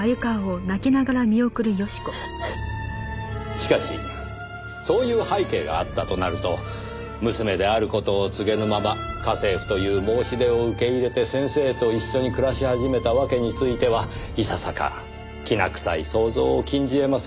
しかしそういう背景があったとなると娘である事を告げぬまま家政婦という申し出を受け入れて先生と一緒に暮らし始めたわけについてはいささかきな臭い想像を禁じえませんねえ。